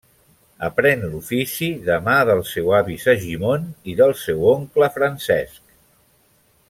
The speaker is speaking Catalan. Aprèn l’ofici de mà del seu avi Segimon i del seu oncle Francesc.